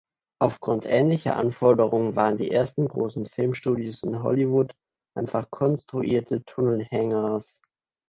Aufgrund ähnlicher Anforderungen waren die ersten großen Filmstudios in Hollywood einfach konstruierte Tunnel-Hangars.